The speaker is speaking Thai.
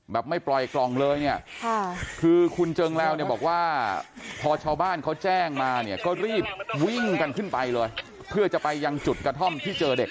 ไม่ปล่อยกล่องเลยเนี่ยคือคุณเจิงแล้วเนี่ยบอกว่าพอชาวบ้านเขาแจ้งมาเนี่ยก็รีบวิ่งกันขึ้นไปเลยเพื่อจะไปยังจุดกระท่อมที่เจอเด็ก